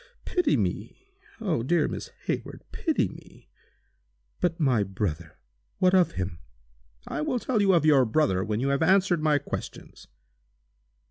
Pity me! Oh! dear Miss Hayward, pity me!" "But my brother—what of him?" "I will tell you of your brother when you have answered my questions."